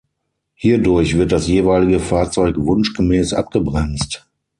Hierdurch wird das jeweilige Fahrzeug wunschgemäß abgebremst.